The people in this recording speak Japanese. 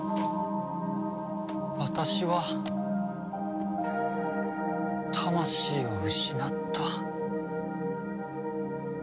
私は魂を失った。